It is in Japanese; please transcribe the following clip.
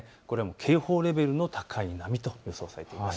警報レベルの高い波と予想されています。